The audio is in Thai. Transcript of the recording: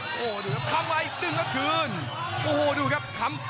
โอ้โหดูครับทำไว้ดึงแล้วคืนโอ้โหดูครับ